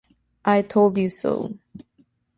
I told you so!